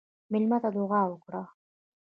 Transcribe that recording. مېلمه ته دعا وکړه.